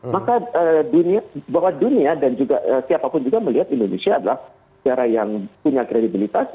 maka bahwa dunia dan juga siapapun juga melihat indonesia adalah negara yang punya kredibilitas